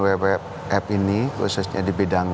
wwf ini khususnya di bidang